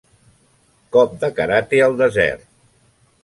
Cop de karate al desert